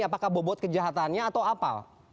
apakah bobot kejahatannya atau apa